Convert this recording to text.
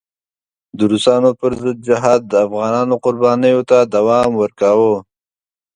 د روسانو پر ضد جهاد د افغانانو قربانیو ته دوام ورکاوه.